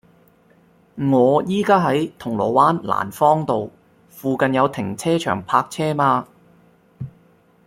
我依家喺銅鑼灣蘭芳道，附近有停車場泊車嗎